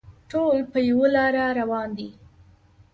ټول په یوه لاره روان دي.